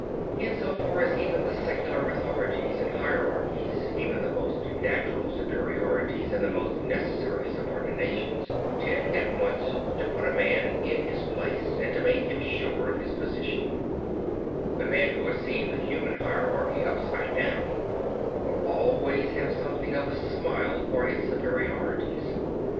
In so far as even the secular authorities and hierarchies, even the most natural superiorities and the most necessary subordinations, tend at once to put a man in his place, and to make him sure of his position, the man who has seen the human hierarchy upside down will always have something of a smile for its superiorities.